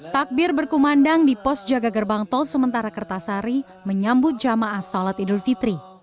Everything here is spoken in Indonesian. takbir berkumandang di pos jaga gerbang tol sementara kertasari menyambut jamaah sholat idul fitri